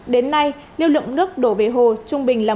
đến nay lượng nước đổ về hồ trung bình là một m ba